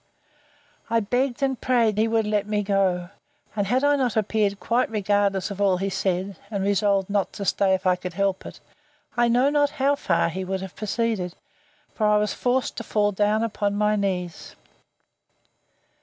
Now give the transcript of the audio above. I begged and prayed he would let me go: and had I not appeared quite regardless of all he said, and resolved not to stay, if I could help it, I know not how far he would have proceeded; for I was forced to fall down upon my knees.